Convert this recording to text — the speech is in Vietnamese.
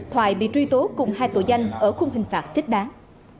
thoại bị truy tố cùng hai tội danh ở khung hình phạt thích đáng